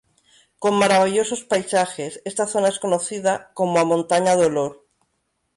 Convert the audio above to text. Con maravillosos paisajes, esta zona es conocida como "A Montaña do Lor".